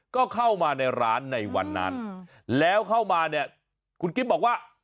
ก็เข้ามาในร้านในวันนั้นแล้วเข้ามาเนี่ยคุณกิ๊บบอกว่า